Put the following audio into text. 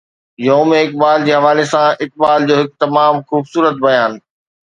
يوم اقبال جي حوالي سان اقبال جو هڪ تمام خوبصورت بيان.